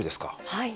はい。